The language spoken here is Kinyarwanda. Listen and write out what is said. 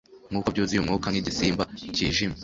Nkuko byuzuye umwuka nkigisimba kijimye